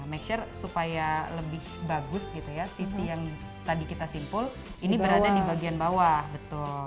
make sure supaya lebih bagus gitu ya sisi yang tadi kita simpul ini berada di bagian bawah betul